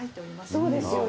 そうですよね。